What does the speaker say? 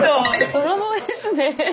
泥棒ですね。